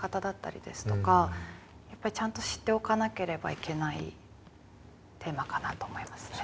やっぱりちゃんと知っておかなければいけないテーマかなと思いますね。